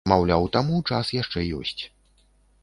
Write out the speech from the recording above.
Маўляў, таму час яшчэ ёсць.